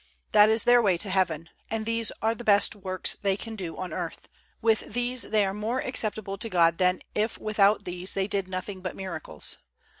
That is their way to heaven, and these are the best works they can do on earth; with these they are more acceptable to God than if without these they did nothing but miracles.